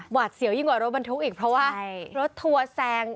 เสียวยิ่งกว่ารถบรรทุกอีกเพราะว่ารถทัวร์แซง